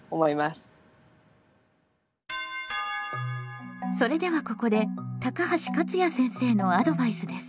それではここで高橋勝也先生のアドバイスです。